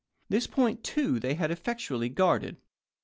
This point too they had effectually guarded.